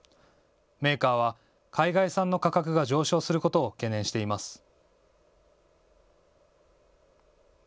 メーカーは海外産の価格が上昇することを懸念しています。